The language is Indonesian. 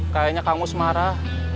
kayaknya kang mus marah